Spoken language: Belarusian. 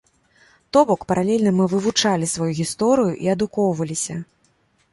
То бок, паралельна мы вывучалі сваю гісторыю і адукоўваліся.